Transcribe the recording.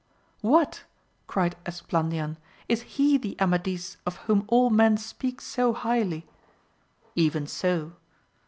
What, cried Esplandian, is he the Amadis of whom all men speak so highly ^ Even so.